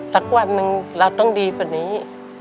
สักวันนึงเราต้องดีพอนี้